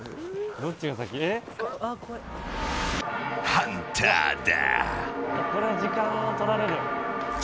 ハンターだ。